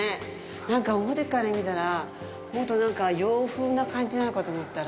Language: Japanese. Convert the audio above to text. なんか表から見たら、もっとなんか洋風な感じなのかと思ったら。